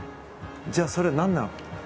じゃあそれは何なのか。